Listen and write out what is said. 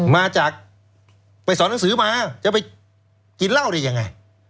มาจากไปสอนหนังสือมาจะไปกินเหล้าได้ยังไง